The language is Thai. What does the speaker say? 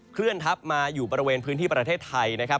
เลื่อนทับมาอยู่บริเวณพื้นที่ประเทศไทยนะครับ